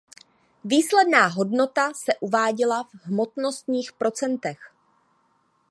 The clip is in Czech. Výsledná hodnota se uváděla v hmotnostních procentech.